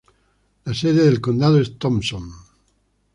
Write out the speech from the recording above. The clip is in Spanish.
La sede del condado es Thomson.